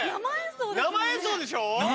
生演奏でしょ？